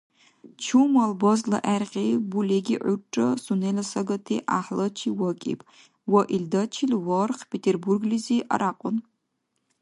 Чумал базла гӀергъи булеги гӀурра сунела сагати гӀяхӀлачи вакӀиб ва илдачил варх Петербурглизи арякьун.